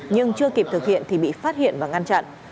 nhưng chưa kịp thực hiện thì bị phát hiện và ngăn chặn